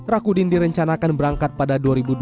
rakudin direncanakan berangkat pada dua ribu dua puluh